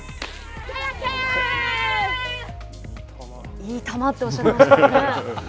いい球とおっしゃってましたね。